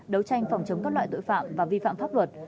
đấu tranh phòng chống các loại tội phạm và vi phạm pháp luật